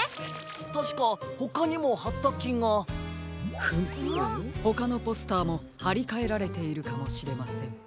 たしかほかにもはったきが。フムほかのポスターもはりかえられているかもしれません。